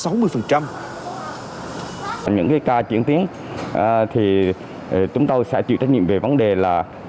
những cái ca chuyển tiến thì chúng tôi sẽ chịu trách nhiệm về vấn đề là